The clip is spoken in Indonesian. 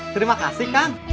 terima kasih kang